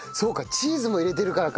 チーズも入れてるからか。